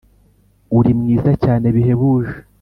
Uri mwiza cyane bihebuje